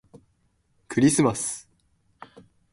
クリスマス